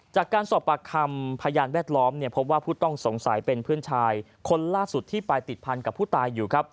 จากการสอบปากคำพยานแวดล้อมพบว่าผู้ต้องสงสัยเป็นเพื่อนชายคนล่าสุดที่ไปติดพันกับผู้ตายอยู่ครับ